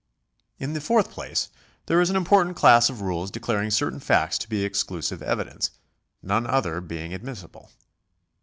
— In the fourth place there is an important class of rules declaring certain facts to be exclusive evidence, none other being admissible.